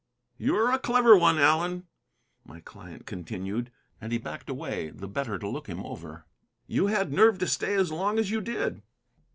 "You're a clever one, Allen," my client continued, and he backed away the better to look him over; "you had nerve to stay as long as you did."